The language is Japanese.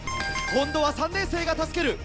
今度は３年生が助ける！